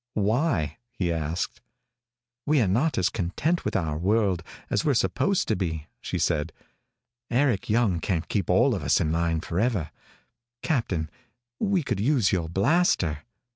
"Why?" he asked. "We're not as content with our world as we're supposed to be," she said. "Eric Young can't keep all of us in line forever. Captain, we could use your blaster.